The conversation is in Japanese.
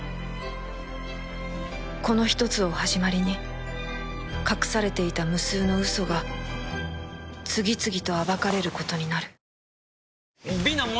この１つを始まりに隠されていた無数の嘘が次々と暴かれる事になる